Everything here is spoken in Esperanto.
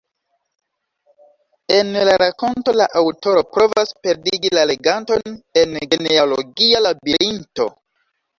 En la rakonto la aŭtoro provas perdigi la leganton en genealogia labirinto.